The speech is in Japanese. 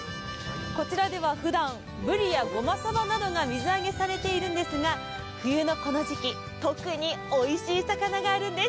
こちらではふだんぶりやゴマサバなどが水揚げされているんですが冬のこの時期、特においしい魚があるんです。